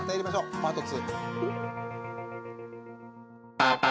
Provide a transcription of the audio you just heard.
パート２。